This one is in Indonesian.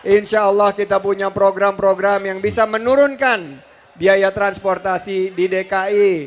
insya allah kita punya program program yang bisa menurunkan biaya transportasi di dki